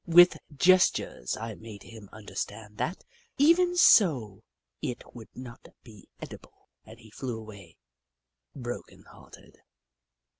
With gestures I made him under stand that, even so, it would not be edible, and he flew away, broken hearted.